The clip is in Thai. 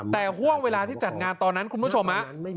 แต่ห่วงเวลาที่จัดงานตอนนั้นคุณผู้ชม